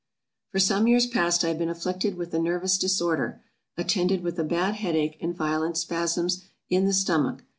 FOR some years past, I have been afflicted with a nervous disorder, attended with a bad head ache, and violent spasms in the stomach.